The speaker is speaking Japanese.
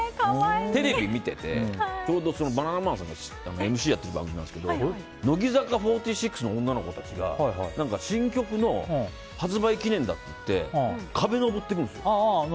テレビ見ててちょうどバナナマンさんがＭＣやっている番組なんですけど乃木坂４６の女の子たちが新曲の発売記念だって言って「乃木坂工事中」ですね。